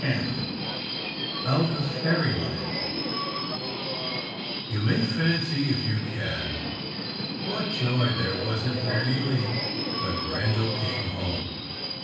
Out of fairyland YOU may fancy, if you can, what joy there was in Fairnilee when Randal came home.